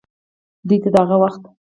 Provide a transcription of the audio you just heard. دوې ته دَ هغه وخت